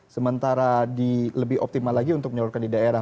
sementara lebih optimal lagi untuk menyalurkan di daerah